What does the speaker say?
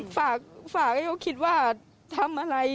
ฝากให้เขาคิดว่าทำอะไร